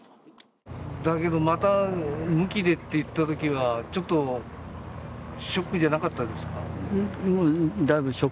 まだ無期でといったときは、ちょっとショックじゃなかったですか？